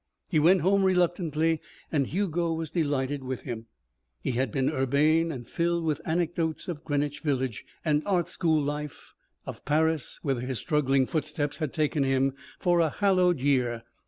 He went home reluctantly and Hugo was delighted with him. He had been urbane and filled with anecdotes of Greenwich Village and art school life, of Paris, whither his struggling footsteps had taken him for a hallowed year.